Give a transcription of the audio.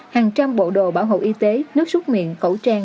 hàng trăm bộ đồ bảo hộ y tế nước xúc miệng khẩu trang